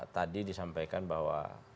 tadi disampaikan bahwa